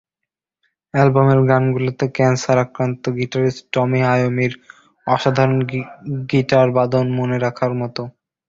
অ্যালবামের গানগুলোতে ক্যানসার-আক্রান্ত গিটারিস্ট টমি আয়োমির অসাধারণ গিটারবাদন মনে রাখার মতো।